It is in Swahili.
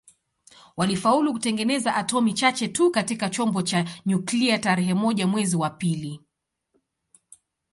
Walifaulu kutengeneza atomi chache tu katika chombo cha nyuklia tarehe moja mwezi wa pili